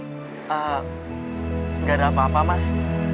tidak ada apa apa mas